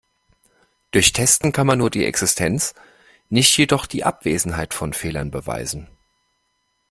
Durch Testen kann man nur die Existenz, nicht jedoch die Abwesenheit von Fehlern beweisen.